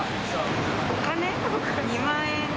お金、２万円